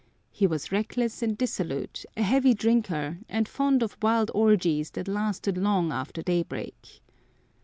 He was reckless and dissolute, a heavy drinker and fond of wild orgies that lasted long after daybreak.